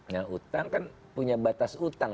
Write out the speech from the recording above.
nah utang kan punya batas utang